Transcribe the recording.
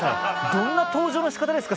どんな登場のしかたですか！